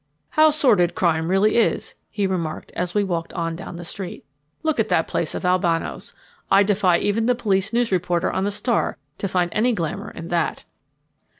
"How sordid crime really is," he remarked as we walked on down the street. "Look at that place of Albano's. I defy even the police news reporter on the Star to find any glamour in that."